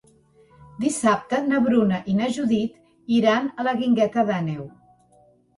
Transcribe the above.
Dissabte na Bruna i na Judit iran a la Guingueta d'Àneu.